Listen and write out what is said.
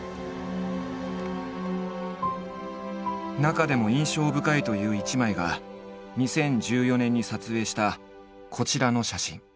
中でも印象深いという一枚が２０１４年に撮影したこちらの写真。